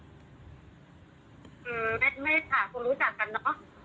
คือไม่ค่ะคงรู้จักกันเนอะ